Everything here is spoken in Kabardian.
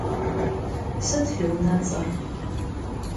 Sıt vui vunets'er?